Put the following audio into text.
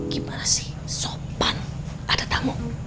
gimana sih sopan ada tamu